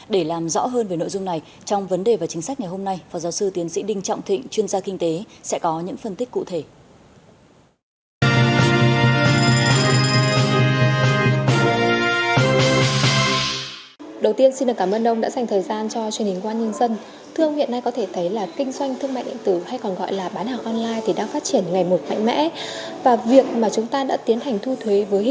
để làm rõ hơn về nội dung này trong vấn đề và chính sách ngày hôm nay phó giáo sư tiến sĩ đinh trọng thịnh chuyên gia kinh tế sẽ có những phân tích cụ thể